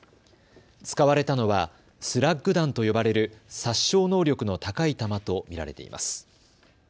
使われたのはスラッグ弾と呼ばれる殺傷能力の高い弾と見られています。